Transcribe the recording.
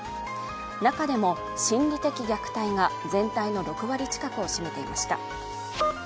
中でも心理的虐待が全体の６割近くを占めていました。